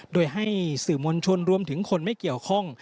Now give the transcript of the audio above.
โดยให้สื่อมวลชนรวมถึงคนไม่เกี่ยวข้อง